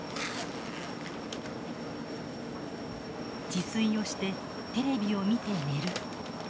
自炊をしてテレビを見て寝る。